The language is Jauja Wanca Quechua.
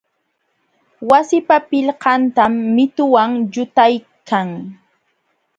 Wasipa pilqantam mituwan llutaykan.